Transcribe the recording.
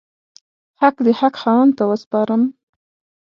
حق د حق خاوند ته وسپارم.